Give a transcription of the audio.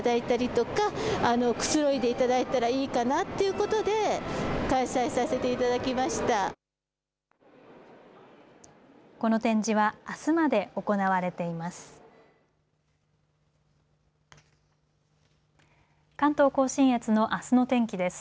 この展示はあすまで行われています。